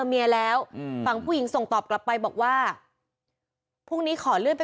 เมียแล้วอืมฝั่งผู้หญิงส่งตอบกลับไปบอกว่าพรุ่งนี้ขอเลื่อนไป